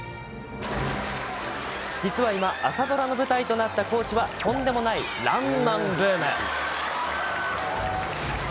実は、今朝ドラの舞台となった高知はとんでもない「らんまん」ブーム。